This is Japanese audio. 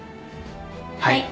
はい。